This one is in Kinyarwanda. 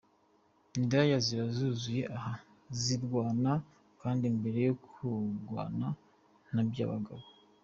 Indaya ziba zuzuye aha zirwana kandi mbere ku rwagwa ntabyabagaho”.